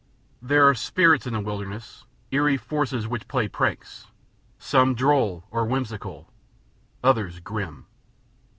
There are spirits in the wilderness, eerie forces which play pranks; some droll or whimsical, others grim.